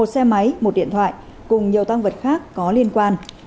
một xe máy một điện thoại cùng nhiều tăng vật khác có liên quan